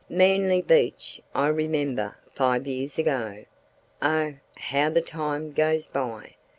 Manly Beach—I remember five years ago (oh, how the time goes by!)